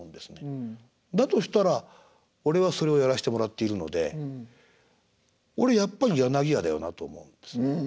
だとしたら俺はそれをやらしてもらっているので俺やっぱり柳家だよなと思うんですね。